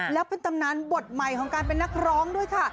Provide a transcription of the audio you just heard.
แล้วเป็นตำนานบทใหม่ของการเป็นนักร้องด้วยค่ะ